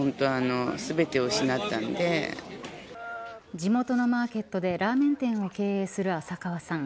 地元のマーケットでラーメン店を経営する浅川さん。